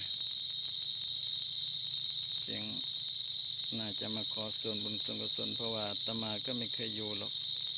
เสียงน่าจะมาขอส่วนบุญส่วนกุศลเพราะว่าต่อมาก็ไม่เคยอยู่หรอก